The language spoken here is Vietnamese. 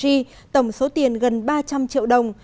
chi tổng số tiền gần ba trăm linh triệu đồng